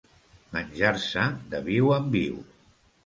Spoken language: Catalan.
Menjar-se de viu en viu.